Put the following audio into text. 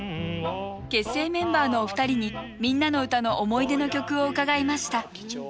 結成メンバーのお二人に「みんなのうた」の思い出の曲を伺いました。